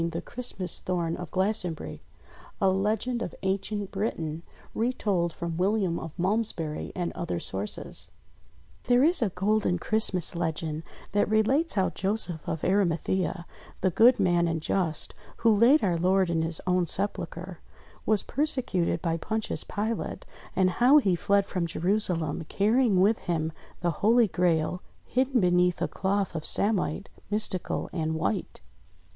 THE CHRISTMAS THORN OF GLASTONBURY A Legend of Ancient Britain Retold from William of Malmesbury and Other Sources THERE is a golden Christmas legend that relates how Joseph of Arimathea — the good man and just, who laid our Lord in his own sepulchre, — was persecuted by Pontius Pilate, and how he fled from Jerusalem carrying with him the Holy Grail hidden beneath a cloth of samite, mystical and white.